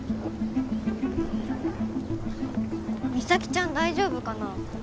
ちゃん大丈夫かな？